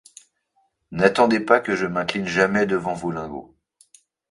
N'attendez pas que je m'incline jamais devant vos lingots.